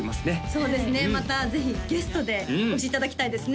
そうですねまたぜひゲストでお越しいただきたいですね